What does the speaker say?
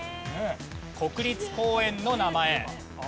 国立公園の名前。